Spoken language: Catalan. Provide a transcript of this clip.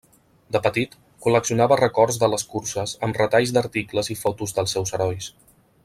De petit, col·leccionava records de les curses amb retalls d'articles i fotos dels seus herois.